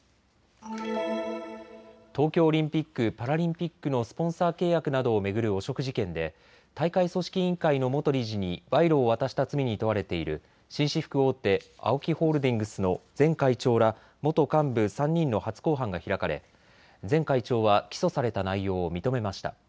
東京オリンピック・パラリンピックのスポンサー契約などを巡る汚職事件で大会組織委員会の元理事に賄賂を渡した罪に問われている紳士服大手、ＡＯＫＩホールディングスの前会長ら元幹部３人の初公判が開かれ前会長は起訴された内容を認めました。